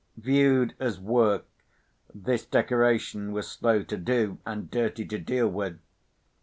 Viewed as work, this decoration was slow to do, and dirty to deal with.